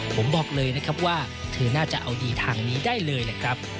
ผมบอกเลยนะครับว่าเธอน่าจะเอาดีทางนี้ได้เลยแหละครับ